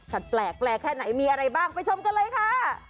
มันแปลกแค่ไหนมีอะไรบ้างไปชมกันเลยค่ะ